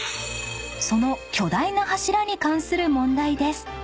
［その巨大な柱に関する問題です］